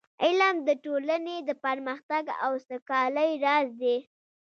علم د ټولنې د پرمختګ او سوکالۍ راز دی.